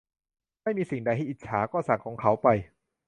ไม่มีสิ่งใดให้อิจฉา ก็สั่งของเขาไป